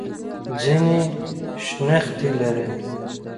ځینې یې شنختې لري.